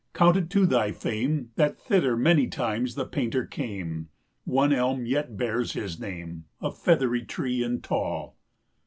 count it to thy fame That thither many times the Painter came; 230 One elm yet bears his name, a feathery tree and tall.